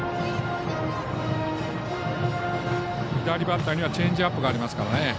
左バッターにはチェンジアップがありますからね。